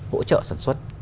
hỗ trợ sản xuất